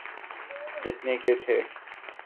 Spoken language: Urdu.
جتنے کے تھے۔